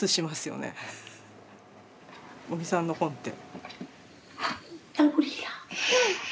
五味さんの本って。